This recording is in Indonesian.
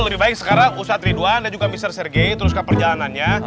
lebih baik sekarang ustadz ridwan dan juga mr sergei teruskan perjalanannya